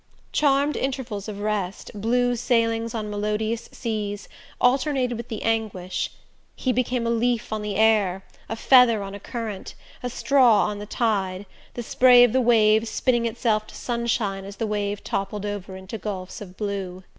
Charmed intervals of rest, blue sailings on melodious seas, alternated with the anguish. He became a leaf on the air, a feather on a current, a straw on the tide, the spray of the wave spinning itself to sunshine as the wave toppled over into gulfs of blue...